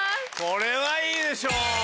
これはいいでしょう！